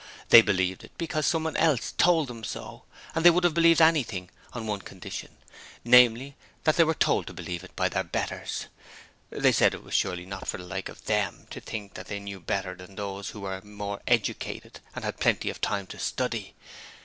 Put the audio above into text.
They believed it because someone else told them so. They would have believed anything: on one condition namely, that they were told to believe it by their betters. They said it was surely not for the Like of Them to think that they knew better than those who were more educated and had plenty of time to study.